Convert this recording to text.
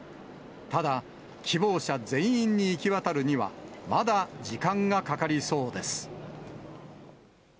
ただ、希望者全員に行き渡るには、まだ時間がかかりそうです。